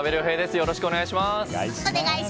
よろしくお願いします。